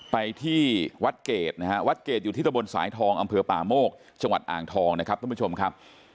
ไปที่วัดเกรดนะฮะวัดเกรดอยู่ที่ตะบนสายทองอำเภอป่าโมกจังหวัดอ่างทองนะครับท่านผู้ชมครับ